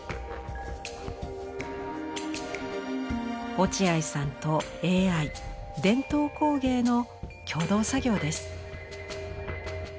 落合さんとＡＩ伝統工芸の共同作業です。